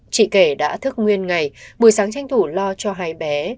chị kể đã thức nguyên ngày buổi sáng tranh thủ lo cho hai bé